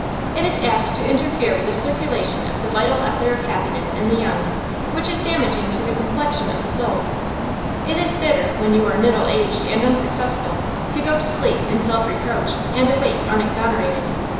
It is apt to interfere with the circulation of the vital ether of happiness in the young, which is damaging to the complexion of the soul. It is bitter, when you are middle aged and unsuccessful, to go to sleep in self reproach and awake unexonerated.